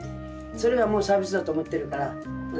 それがもうサービスだと思ってるから。